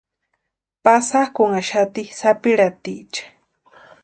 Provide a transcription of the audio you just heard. Pasakʼunhaxati sapiratiecha.